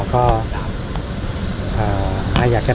ภาษาสนิทยาลัยสุดท้าย